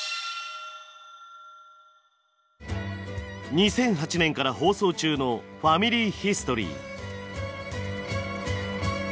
２００８年から放送中の「ファミリーヒストリー」。